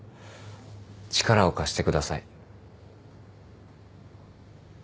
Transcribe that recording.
力を貸してください。